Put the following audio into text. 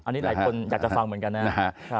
อันนี้หลายคนอยากจะฟังเหมือนกันนะครับ